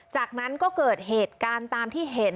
จากนั้นก็เกิดเหตุการณ์ตามที่เห็น